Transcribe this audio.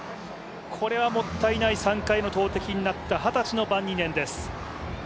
これはもったいない３回の投てきになった、二十歳のバンニネンです。